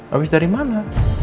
abis dari mana